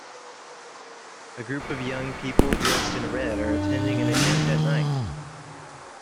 A group of young people dressed in red are attending an event at night.